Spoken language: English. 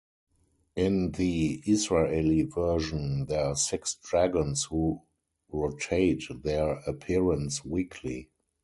In the Israeli version, there are six dragons who rotate their appearance weekly.